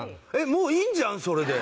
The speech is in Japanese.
もういいじゃんそれで。